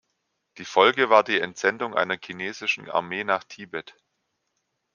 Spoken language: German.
Die Folge war die Entsendung einer chinesischen Armee nach Tibet.